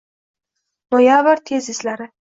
Noyabr tezislari